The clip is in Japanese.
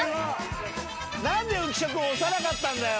何で浮所君押さなかったんだよ！